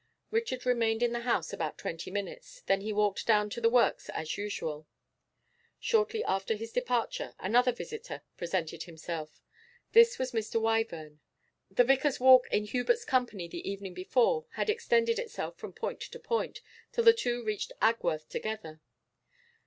Richard remained in the house about twenty minutes. Then he walked down to the works as usual. Shortly after his departure another visitor presented himself. This was Mr. Wyvern. The vicar's walk in Hubert's company the evening before had extended itself from point to point, till the two reached Agworth together.